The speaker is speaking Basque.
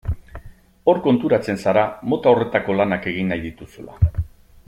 Hor konturatzen zara mota horretako lanak egin nahi dituzula.